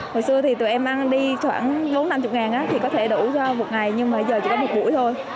hồi xưa tụi em ăn đi khoảng bốn năm mươi ngàn thì có thể đủ cho một ngày nhưng giờ chỉ có một buổi thôi